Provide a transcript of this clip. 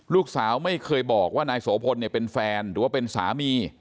ลูกสาวไม่เคยบอกว่านายโสพลเนี่ยเป็นแฟนหรือว่าเป็นสามี